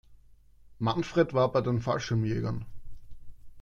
Manfred war bei den Fallschirmjägern.